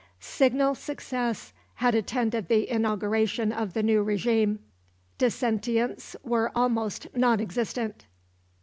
Signal success had attended the inauguration of the new régime. Dissentients were almost nonexistent.